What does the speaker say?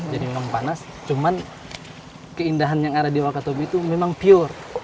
jadi memang panas cuman keindahan yang ada di wakatobi itu memang pure